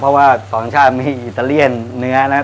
เพราะว่าสองชาติมีอิตาเลียนเนื้อนะครับ